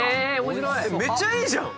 めっちゃいいじゃん！